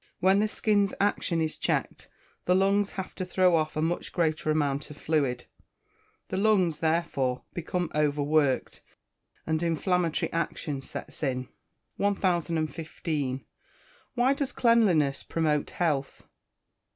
When the skin's action is checked, the lungs have to throw off a much greater amount of fluid. The lungs, therefore, become over worked, and inflammatory action sets in. 1015. _Why does cleanliness promote health?